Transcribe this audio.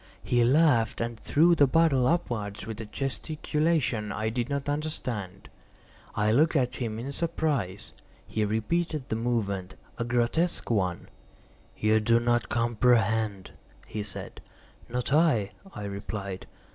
He laughed and threw the bottle upwards with a gesticulation I did not understand. I looked at him in surprise. He repeated the movement—a grotesque one. "You do not comprehend?" he said. "Not I," I replied.